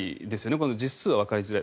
この実数はわかりづらい。